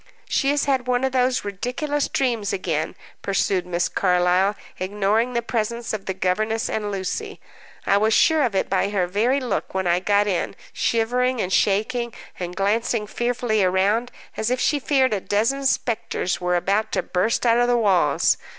"She has had one of those ridiculous dreams again," pursued Miss Carlyle, ignoring the presence of the governess and Lucy. "I was sure of it by her very look when I got in, shivering and shaking, and glancing fearfully around, as if she feared a dozen spectres were about to burst out of the walls.